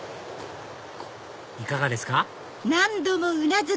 いかがですか？